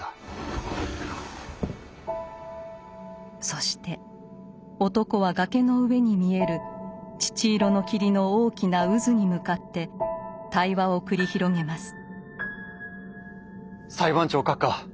そして男は崖の上に見える乳色の霧の大きな渦に向かって対話を繰り広げます。